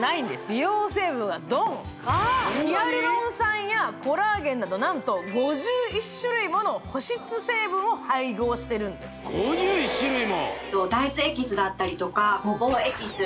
美容成分がドンヒアルロン酸やコラーゲンなど何と５１種類もの保湿成分を配合してるんです大豆エキスだったりとかゴボウエキス